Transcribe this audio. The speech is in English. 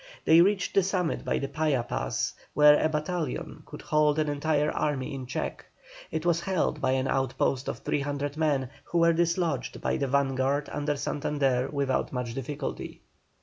They reached the summit by the Paya pass, where a battalion could hold an entire army in check. It was held by an outpost of 300 men, who were dislodged by the vanguard under Santander without much difficulty.